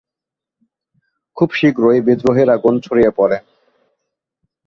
খুব শীঘ্রই বিদ্রোহের আগুন ছড়িয়ে পড়ে।